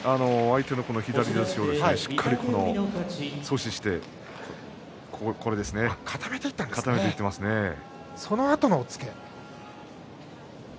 相手の左差しをしっかり阻止して、これですねそのあとの押っつけ。